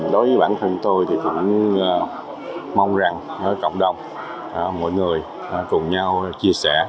đối với bản thân tôi thì cũng mong rằng cộng đồng mỗi người cùng nhau chia sẻ